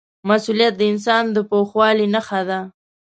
مسؤلیت د انسان د پوخوالي نښه ده.